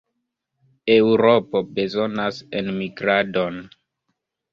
Eŭropo bezonas enmigradon.